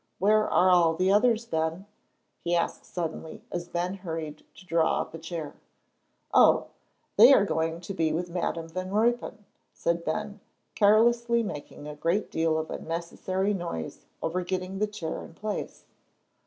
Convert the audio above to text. Where are all the others, Ben?" he asked suddenly, as Ben hurried to draw up a chair. "Oh, they are going to be with Madam Van Ruypen," said Ben, carelessly, making a great deal of unnecessary noise over getting the chair in place.